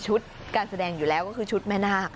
การแสดงอยู่แล้วก็คือชุดแม่นาค